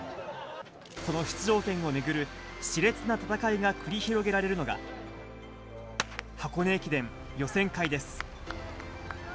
その出場権を巡るしれつな戦いが繰り広げられるのが、箱根駅伝予選会です。